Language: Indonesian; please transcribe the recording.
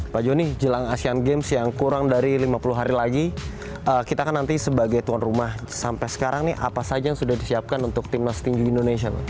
pak joni jelang asean games yang kurang dari lima puluh hari lagi kita kan nanti sebagai tuan rumah sampai sekarang nih apa saja yang sudah disiapkan untuk timnas tinju indonesia